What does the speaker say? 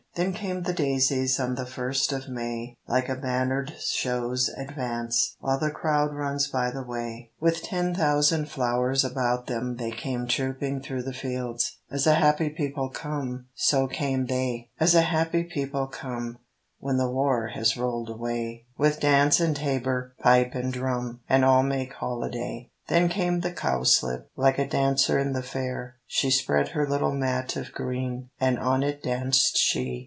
Then came the daisies, On the first of May Like a bannered show's advance While the crowd runs by the way, With ten thousand flowers about them they came trooping through the fields. As a happy people come, So came they, RAINBOW GOLD As a happy people come When the war has rolled away, With dance and tabor, pipe and drum, And all make holiday. Then came the cowslip, Like a dancer in the fair, She spread her little mat of green, And on it danced she.